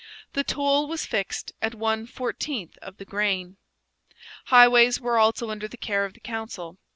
The toll was fixed at one fourteenth of the grain. Highways were also under the care of the council.